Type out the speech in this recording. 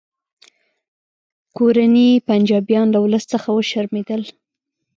کورني پنجابیان له ولس څخه وشرمیدل